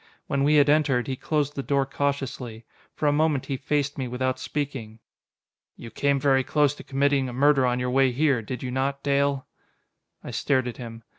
When we had entered, he closed the door cautiously. For a moment he faced me without speaking. "You came very close to committing a murder on your way here, did you not, Dale?" I stared at him.